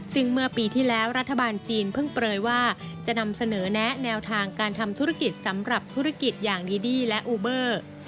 ซึ่งเมื่อปีที่แล้วรัฐบาลจีนเพิ่งเปลยว่าจะนำเสนอแนะแนวทางการทำธุรกิจสำหรับธุรกิจอย่างดีดี้และอูเบอร์